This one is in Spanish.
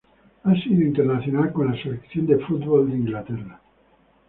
Ha sido internacional con la Selección de fútbol de Inglaterra.